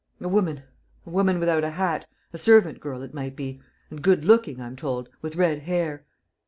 "A woman, a woman without a hat, a servant girl, it might be. ... And good looking, I'm told, with red hair."